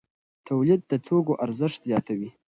تولید د توکو ارزښت زیاتوي.